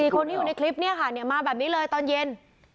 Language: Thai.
คนที่อยู่ในคลิปเนี่ยค่ะมาแบบนี้เลยตอนเย็น